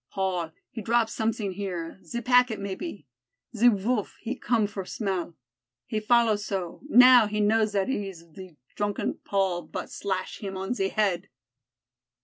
"Paul he drop somesin' here, ze packet maybe; ze Voolf he come for smell. He follow so now he know zat eez ze drunken Paul vot slash heem on ze head."